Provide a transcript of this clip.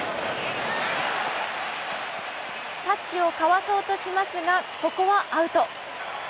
タッチをかわそうとしますが、ここはアウト。